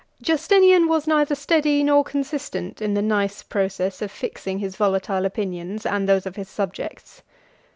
] Justinian was neither steady nor consistent in the nice process of fixing his volatile opinions and those of his subjects.